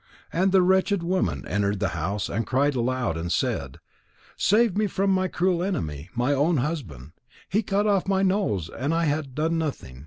And the wretched woman entered the house and cried aloud, and said: "Save me from my cruel enemy, my own husband. He cut off my nose and I had done nothing."